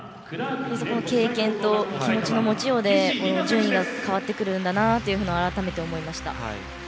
経験と気持ちの持ちようで順位が変わってくるんだなというのを改めて思いました。